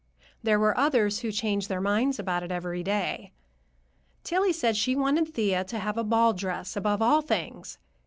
There were others who changed their minds about it every day. Tillie said she wanted Thea to have a ball dress "above all things."